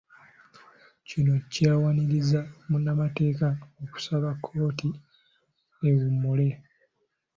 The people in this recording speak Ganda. Kino kyawaliririzza munnamateeka okusaba kkooti ewummule.